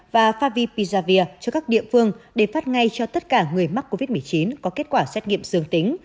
và favipizavir cho các địa phương để phát ngay cho tất cả người mắc covid một mươi chín có kết quả xét nghiệm sương tính